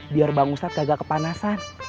biar bang ustadz agak kepanasan